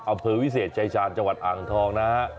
อำเภอวิเศษชายชาญจังหวัดอ่างทองนะฮะ